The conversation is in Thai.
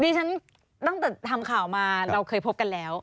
ฉันตั้งแต่ทำข่าวมาเราเคยพบกันแล้ว